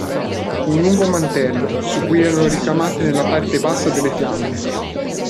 Un lungo mantello, su cui erano ricamate nella parte bassa delle fiamme.